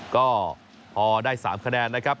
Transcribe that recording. ก็พอได้๓คะแนนนะครับ